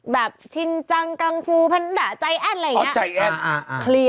แบบชินจังกังฟูภรรดาใจแอ้นอะไรอย่างนี้